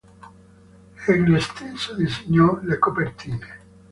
Egli stesso disegnò le copertine.